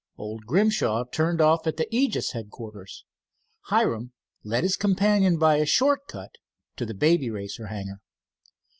Old Grimshaw turned off at the Aegis headquarters. Hiram led his companion by a short cut to the Baby Racer hangar.